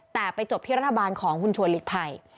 แต่ไปจบที่รัฐบาลของคุณชวนหลีกภัย